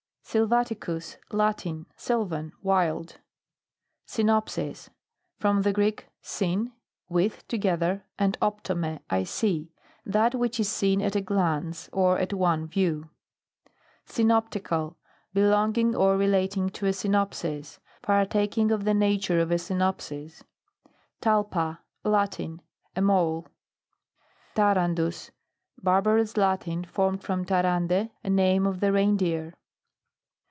SYLVATICUS. Latin. Sylvan. Wild. SYNOPSIS. From the Greek, st/n, with, together, and optomai, I see. That which is seen at a glance, or at one view. SYNOPTICAL. Belonging or relating to a synopsis. Partaking of the na ture of a synopsis. TALPA. Latin. A mole. TARANDUS. Barbarous Latin, formed from Tarande, a name of the rein deer.